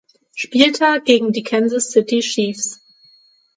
Spieltag gegen die Kansas City Chiefs.